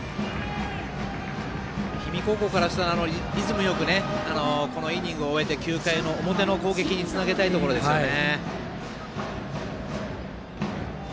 氷見高校からしたらリズムよくこのイニングを終えて９回の表の攻撃につなげたいところですよね。